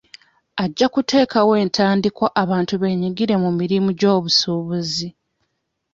Ajja kutekawo entandikwa abantu beenyigire mu mirimu gy'obusuubuzi.